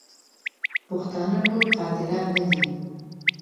پښتانه ټول قاتلان نه دي.